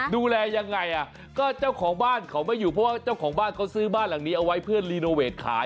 ดูแลยังไงอ่ะก็เจ้าของบ้านเขาไม่อยู่เพราะว่าเจ้าของบ้านเขาซื้อบ้านหลังนี้เอาไว้เพื่อรีโนเวทขาย